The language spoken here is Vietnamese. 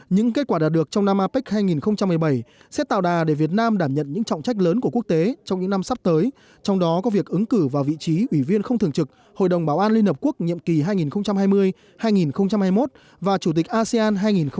những kết quả đạt được trong năm apec hai nghìn một mươi bảy sẽ tạo đà để việt nam đảm nhận những trọng trách lớn của quốc tế trong những năm sắp tới trong đó có việc ứng cử vào vị trí ủy viên không thường trực hội đồng bảo an liên hợp quốc nhiệm kỳ hai nghìn hai mươi hai nghìn hai mươi một và chủ tịch asean hai nghìn hai mươi